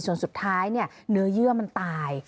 ส่วนสุดท้ายเนื้อเยื่อมันตาย